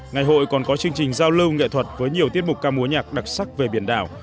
ngày hội còn có chương trình giao lưu nghệ thuật với nhiều tiết mục ca múa nhạc đặc sắc về biển đảo